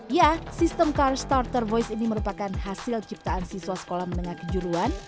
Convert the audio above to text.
ya sistem car starter voice ini merupakan hasil ciptaan siswa sekolah menengah kejuruan